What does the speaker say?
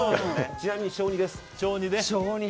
ちなみに小２です。